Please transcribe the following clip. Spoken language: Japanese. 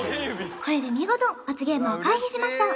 これで見事罰ゲームを回避しました・